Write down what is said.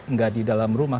nggak di dalam rumah